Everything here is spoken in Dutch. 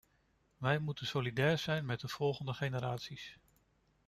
Wij moeten solidair zijn met de volgende generaties.